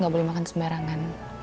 ga boleh makan sembarangan